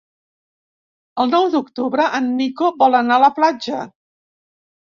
El nou d'octubre en Nico vol anar a la platja.